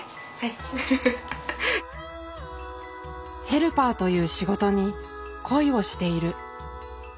ヘルパーという仕事に恋をしている。